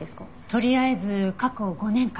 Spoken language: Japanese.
とりあえず過去５年間。